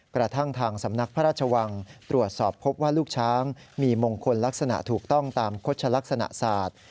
กระทั่งทางสำนักพระราชวังตรวจสอบพบว่าลูกช้างมีมงคลลักษณะถูกต้องตามโฆษลักษณะศาสตร์